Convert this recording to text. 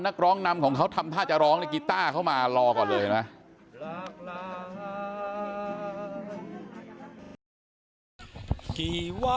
นักร้องนำของเขาทำท่าจะร้องในกีต้าเข้ามารอก่อนเลยเห็นไหม